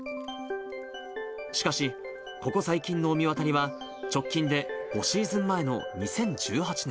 しかし、ここ最近の御神渡りは直近で５シーズン前の２０１８年。